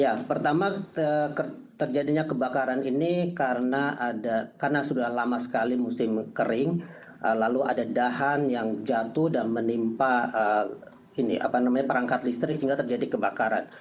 ya pertama terjadinya kebakaran ini karena sudah lama sekali musim kering lalu ada dahan yang jatuh dan menimpa perangkat listrik sehingga terjadi kebakaran